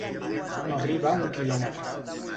No arriba a un quilòmetre.